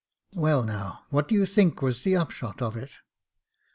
Well, now, what do you think was the upshot of it